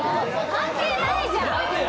関係ないじゃん！